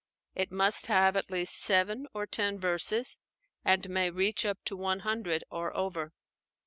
It must have at least seven or ten verses, and may reach up to one hundred or over.